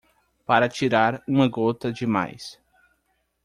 Para tirar uma gota demais